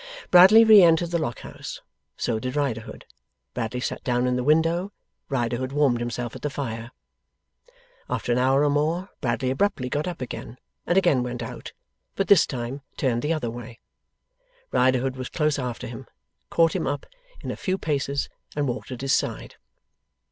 Bradley re entered the Lock House. So did Riderhood. Bradley sat down in the window. Riderhood warmed himself at the fire. After an hour or more, Bradley abruptly got up again, and again went out, but this time turned the other way. Riderhood was close after him, caught him up in a few paces, and walked at his side.